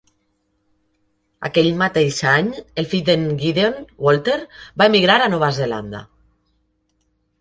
Aquell mateix any, el fill de"n Gideon, Walter, va emigrar a Nova Zelanda.